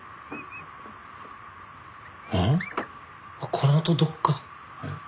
この音どっかで。